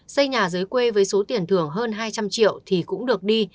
xây nhà dưới quê với số tiền thưởng hơn hai trăm linh triệu thì cũng được đi